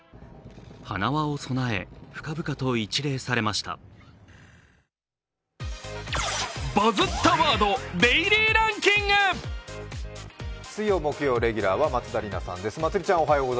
花輪を供え、深々と一礼されました水曜・木曜レギュラーは松田里奈さんです。